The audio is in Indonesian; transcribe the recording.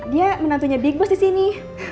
dia menantunya big boss disini